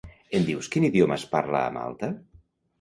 Em dius quin idioma es parla a Malta?